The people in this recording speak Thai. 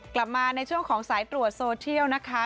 กลับมาในช่วงของสายตรวจโซเทียลนะคะ